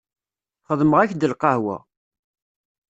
Xedmeɣ-ak-d lqahwa.